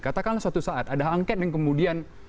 katakanlah suatu saat ada angket yang kemudian